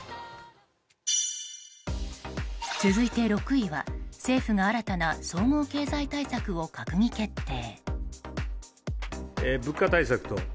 続いて６位は、政府が新たな総合経済対策を閣議決定。